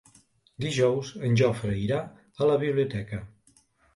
Dijous en Jofre irà a la biblioteca.